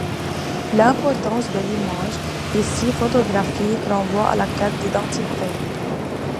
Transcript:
L'importance de l'image, ici photographique renvoie à la quête d'identité.